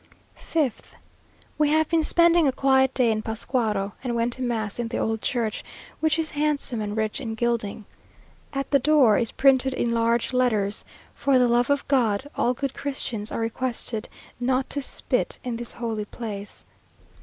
5th. We have been spending a quiet day in Pascuaro, and went to mass in the old church, which is handsome and rich in gilding. At the door is printed in large letters "For the love of God, all good Christians are requested not to spit in this holy place."